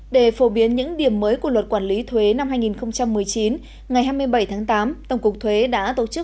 để phổ biến những điểm mới của luật quản lý thuế năm hai nghìn một mươi chín ngày hai mươi bảy tháng tám tổng cục thuế đã tổ chức